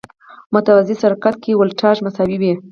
متوازي سرکټ کې ولټاژ مساوي وي.